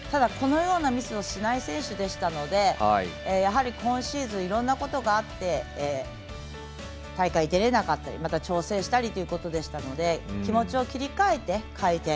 このようなミスをしない選手でしたのでやはり今シーズンいろんなことがあって大会に出れなかったり調整したりということでしたので気持ちを切り替えて。